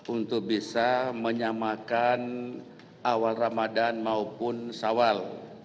untuk bisa menyamakan awal ramadhan maupun shawwal